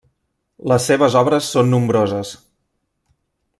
Les seves obres són nombroses.